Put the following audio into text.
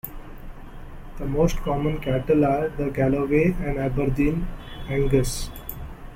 The most common cattle are the Galloway and Aberdeen Angus.